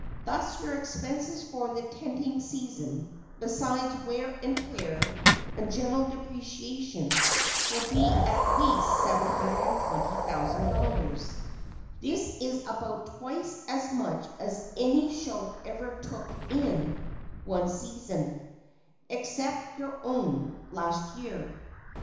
Thus your expenses for the tenting season, besides wear and tear and general depreciation, will be at least $720,000. This is about twice as much as any show ever took in one season, except your own, last year.